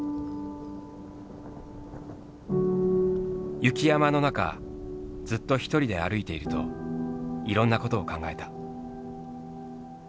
雪山の中ずっと一人で歩いているといろんなことを考えた。